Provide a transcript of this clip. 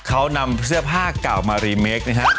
เค้านำเชื่อผ้าเก่ามาเรเมคนะฮะ